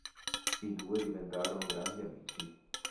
I due diventarono grandi amici.